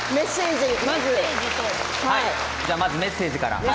まずメッセージから。